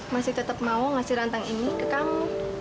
masih tetap mau ngasih rantang ini ke kamu